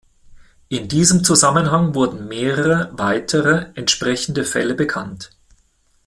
In diesem Zusammenhang wurden mehrere weitere entsprechende Fälle bekannt.